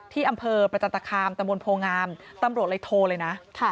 ที่อำเภอประจันตคามตะมนต์โพงามตำรวจเลยโทรเลยนะ